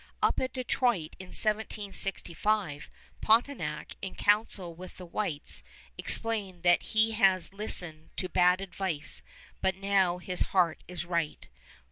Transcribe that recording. Up at Detroit in 1765 Pontiac, in council with the whites, explains that he has listened to bad advice, but now his heart is right.